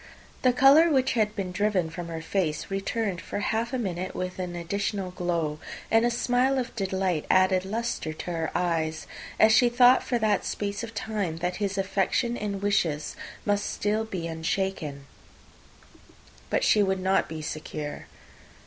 The colour which had been driven from her face returned for half a minute with an additional glow, and a smile of delight added lustre to her eyes, as she thought for that space of time that his affection and wishes must still be unshaken; but she would not be secure.